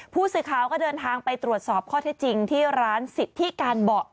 ผู้สื่อข่าวก็เดินทางไปตรวจสอบข้อเท็จจริงที่ร้านสิทธิการเบาะ